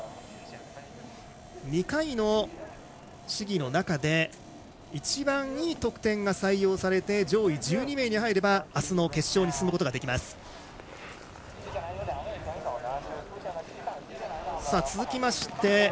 ２回の試技の中で一番いい得点が採用されて上位１２名に入ればあすの決勝に進むことができます。